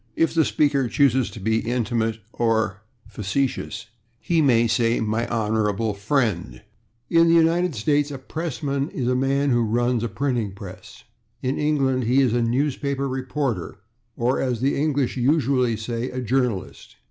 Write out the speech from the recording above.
If the speaker chooses to be intimate or facetious, he may say "my honorable /friend/." [Pg108] In the United States a /pressman/ is a man who runs a printing press; in England he is a newspaper reporter, or, as the English usually say, a /journalist